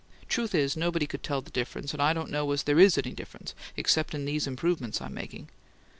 Truth is, nobody could tell the difference, and I don't know as there IS any difference except in these improvements I'm making.